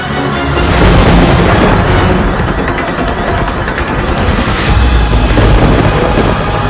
kamu tetap di sini putriku